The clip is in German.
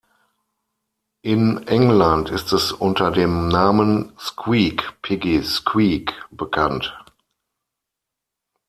In England ist es unter dem Namen "Squeak Piggy Squeak" bekannt.